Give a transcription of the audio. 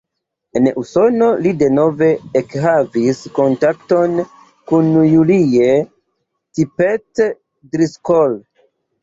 En Usono li denove ekhavis kontakton kun Julie Tippetts-Driscoll.